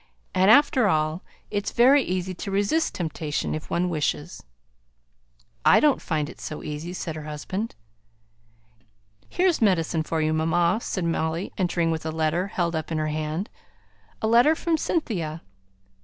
And, after all, it's very easy to resist temptation, if one wishes." "I don't find it so easy," said her husband. "Here's medicine for you, mamma," said Molly, entering with a letter held up in her hand. "A letter from Cynthia."